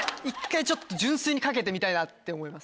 １回ちょっと純粋に賭けてみたいなって思います。